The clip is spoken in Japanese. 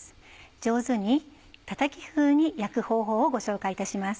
上手にたたき風に焼く方法をご紹介いたします。